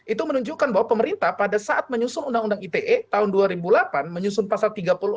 itu menunjukkan bahwa pemerintah pada saat menyusun undang undang ite tahun dua ribu delapan menyusun pasal tiga puluh enam